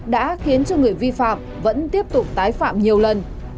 đã khiến cho người vi phạm vẫn tiếp tục tái phạm nhiều lần